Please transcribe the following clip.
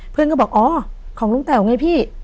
เพื่อนก็บอกอ๋อของลุงแต๋วไงพี่